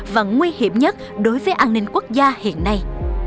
và nguy hiểm nhất đối với an ninh quốc gia hiện nay